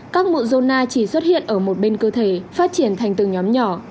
các mụn zona chỉ xuất hiện ở một bên cơ thể phát triển thành từng nhóm nhỏ